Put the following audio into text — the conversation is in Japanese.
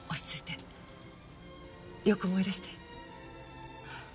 よく思い出して。